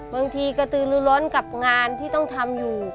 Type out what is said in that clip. บางทีกระตือลือร้อนกับงานที่ต้องทำอยู่